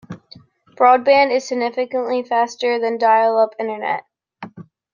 Broadband is significantly faster than dial-up internet.